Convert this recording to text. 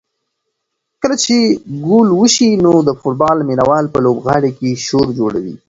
کله چې ګول وشي نو د فوټبال مینه وال په لوبغالي کې شور جوړوي.